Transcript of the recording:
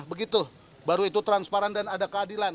begitu baru itu transparan dan ada keadilan